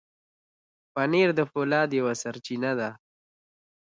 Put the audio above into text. پنېر د فولاد یوه سرچینه ده.